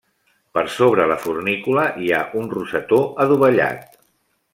Per sobre la fornícula hi ha un rosetó adovellat.